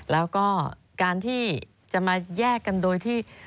แล้วก็การที่จะมาแยกกันโดยที่